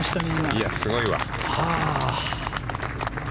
いや、すごいわ。